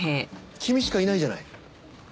君しかいないじゃない。